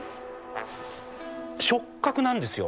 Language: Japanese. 触角なんですよ。